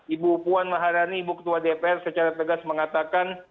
ibu puan maharani ibu ketua dpr secara tegas mengatakan